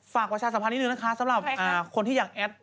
ฝากประชาสาธารณ์หนีนึงนะคะสำหรับคนที่อยากแอด